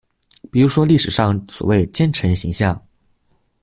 比如說歷史上所謂奸臣形象